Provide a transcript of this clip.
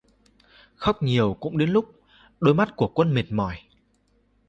Khóc nhiều cũng đến lúc đôi mắt của quân mệt mỏi